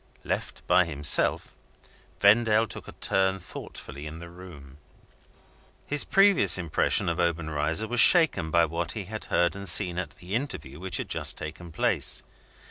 Left by himself, Vendale took a turn thoughtfully in the room. His previous impression of Obenreizer was shaken by what he had heard and seen at the interview which had just taken place.